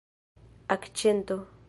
akĉento